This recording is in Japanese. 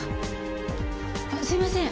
すいません。